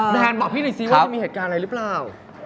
แนนบอกพี่หน่อยซิว่าจะมีเหตุการณ์อะไรหรือเปล่า